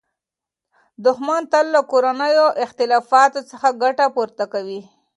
دښمن تل له کورنیو اختلافاتو څخه ګټه پورته کوي.